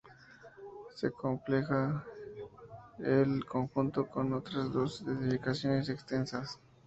Se completa el conjunto con otras dos edificaciones exentas.